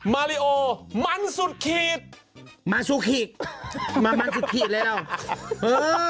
มาริโอมันสุดขีดมาชูขีกมามันสุดขีดแล้วเออ